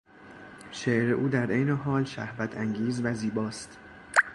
شعر او در عین حال شهوتانگیز و زیباست.